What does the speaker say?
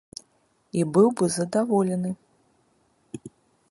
І быў бы задаволены!